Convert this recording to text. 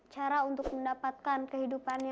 cara untuk mendapatkan kehidupan